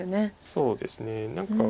そうですね何か。